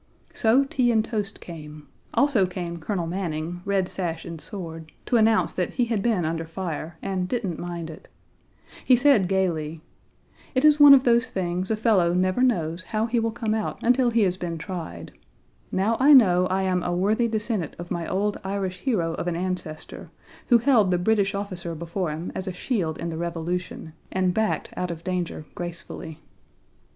So tea and toast came; also came Colonel Manning, red sash and sword, to announce that he had been under fire, and didn't mind it. He said gaily: "It is one of those things a fellow never knows how he will come out until he has been tried. Now I know I am a worthy descendant of my old Irish hero of an ancestor, who held the British officer before him as a shield in the Revolution, and backed out of danger gracefully."